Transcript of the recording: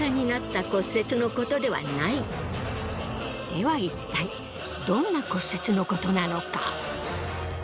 ではいったいどんな骨折のことなのか？